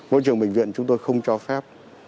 môi trường bệnh viện chúng tôi không cho phép